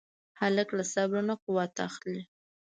هلک له صبر نه قوت اخلي.